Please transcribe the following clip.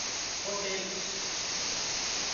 Botelhos